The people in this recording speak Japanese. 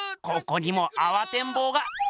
ここにもあわてんぼうが。